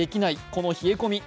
この冷え込み。